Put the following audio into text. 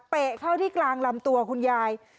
เข้าที่กลางลำตัวคุณยาย